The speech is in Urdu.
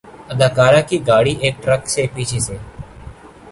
اداکارہ کی گاڑی ایک ٹرک سے پیچھے سے